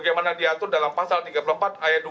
yang berada di dalam pasal tiga puluh empat ayat tiga